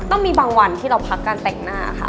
ก็มีบางวันที่เราพักการแต่งหน้าค่ะ